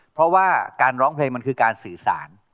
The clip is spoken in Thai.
เพราะว่าการร้องเพลงมันคือการสื่อสาร